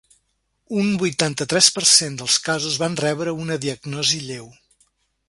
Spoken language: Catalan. Un vuitanta-tres per cent dels casos van rebre una diagnosi lleu.